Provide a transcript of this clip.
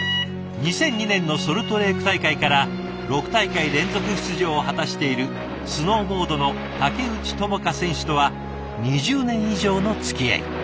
２００２年のソルトレーク大会から６大会連続出場を果たしているスノーボードの竹内智香選手とは２０年以上のつきあい。